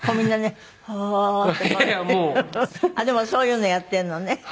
でもそういうのやってるのね。